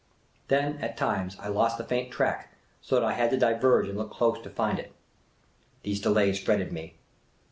Then, at times, I lost the faint track, so that I had to diverge and look close to find it. These delays fretted me.